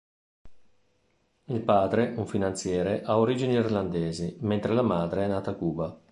Il padre, un finanziere, ha origini irlandesi, mentre la madre è nata a Cuba.